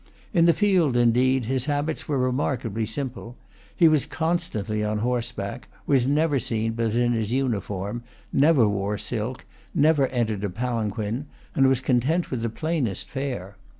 In the field, indeed, his habits were remarkably simple. He was constantly on horseback, was never seen but in his uniform, never wore silk, never entered a palanquin, and was content with the plainest fare.